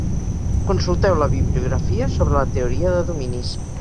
Consulteu la bibliografia sobre la teoria de dominis.